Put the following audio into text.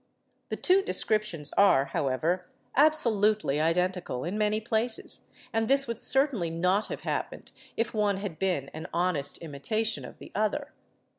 The two descriptions are, however, absolutely identical in many places; and this would certainly not have happened if one had been an honest imitation of the other.